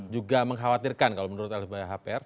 juga mengkhawatirkan kalau menurut lbh pers